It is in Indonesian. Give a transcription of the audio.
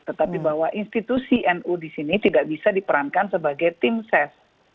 tetapi bahwa institusi nu di sini tidak bisa diperankan sebagai tim ses